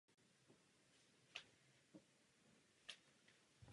Pro mnohé překážky nebyl projekt uskutečněn.